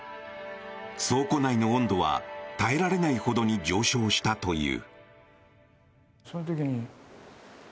倉庫内の温度は耐えられないほどに上昇したという。